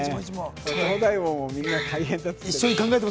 東大王もみんな大変だって言ってる。